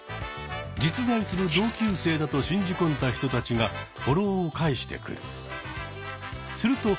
実在する同級生だと信じ込んだ人たちがフォローを返してくる。